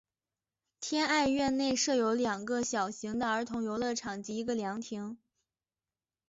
天爱苑内设有两个小型的儿童游乐场及一个凉亭。